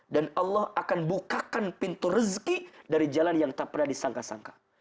dan allah akan bukakan pintu rezeki dari jalan yang tak pernah disangka sangka